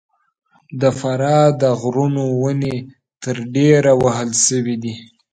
د فراه د غرونو ونې تر ډېره وهل سوي دي.